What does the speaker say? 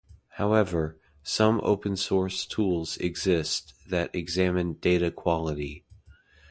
However, some open source tools exist that examine data quality.